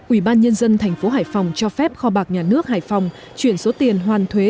ủy ban nhân dân thành phố hải phòng cho phép kho bạc nhà nước hải phòng chuyển số tiền hoàn thuế